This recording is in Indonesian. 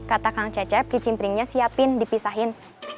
kata kang cecep kucing pringnya siapin dipisahin